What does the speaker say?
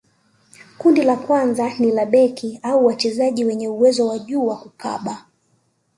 kundi la kwanza ni la beki au wachezaji wenye uwezo wa juu wa kukaba